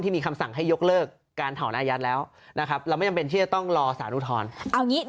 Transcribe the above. ที่มีคำสั่งให้ยกเลิกการถอนอายาทแล้ว